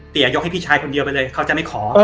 ยกให้พี่ชายคนเดียวไปเลยเขาจะไม่ขอ